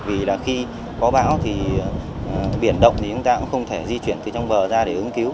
vì là khi có bão thì biển động thì chúng ta cũng không thể di chuyển từ trong bờ ra để ứng cứu